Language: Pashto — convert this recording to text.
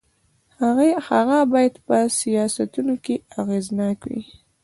هغه باید په سیاستونو کې اغېزناک وي.